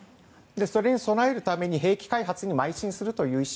それに備えるために兵器開発にまい進するという意思